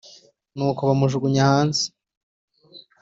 Nuko bamujugunya hanze